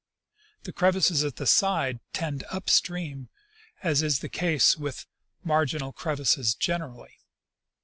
The crevasses at the side trend np stream, as is the case with marginal crevasses generally.